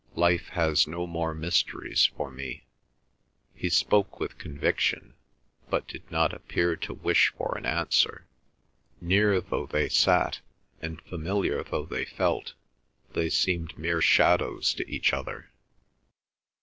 Life has no more mysteries for me." He spoke with conviction, but did not appear to wish for an answer. Near though they sat, and familiar though they felt, they seemed mere shadows to each other.